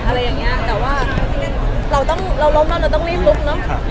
อะไรอย่างงี้แต่ว่าร่มน่าใช่เราต้องรีบรุมนะ